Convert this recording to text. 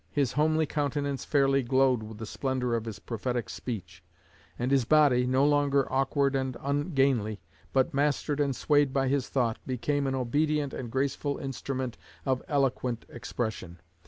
His homely countenance fairly glowed with the splendor of his prophetic speech; and his body, no longer awkward and ungainly, but mastered and swayed by his thought, became an obedient and graceful instrument of eloquent expression.